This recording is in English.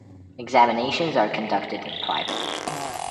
Examinations are conducted in private.